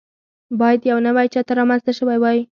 باید یو نوی چتر رامنځته شوی وای.